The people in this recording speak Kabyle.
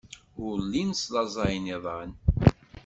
Ur llin slaẓayen iḍan.